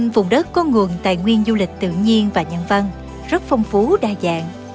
vùng đất có nguồn tài nguyên du lịch tự nhiên và nhân văn rất phong phú đa dạng